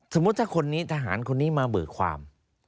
สมมุติถ้าคนนี้ทหารคนนี้มาเบิกความ